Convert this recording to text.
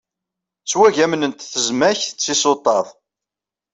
Ttwagamnent tezmak d tisuṭṭaḍ.